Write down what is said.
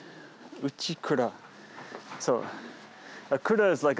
内蔵。